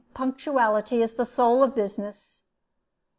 Punctuality is the soul of business."